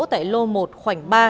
tại lô một khoảng ba